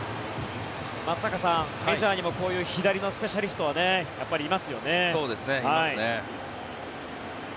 松坂さん、メジャーにもこういう左のスペシャリストはいますね。